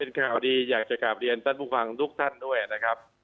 เป็นข่าวดีอยากจะกลับเลียนสั้นปุกไฟล์ฯทุกท่านด้วยนะครับ